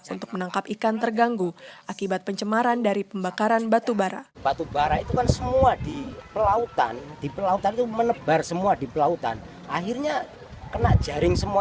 untuk menangkap ikan terganggu akibat pencemaran dari pembakaran batu bara